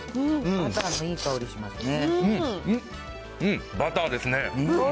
バターのいい香りしますね。